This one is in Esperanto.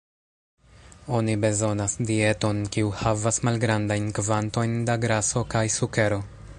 Oni bezonas dieton kiu havas malgrandajn kvantojn da graso kaj sukero.